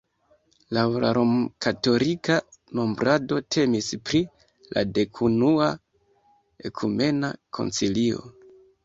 Laŭ la romkatolika nombrado temis pri la dekunua ekumena koncilio.